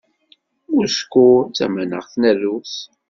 Mosku d tamaneɣt n Rrus.